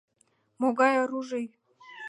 «Могай оружий?»